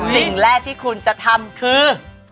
สิ่งแรกที่คุณจะทำคือ